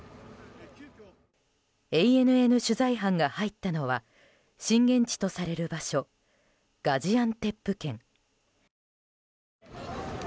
ＡＮＮ取材班が入ったのは震源地とされる場所ガジアンテップ県。